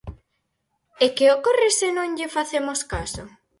¿E que ocorre se non lle facemos caso?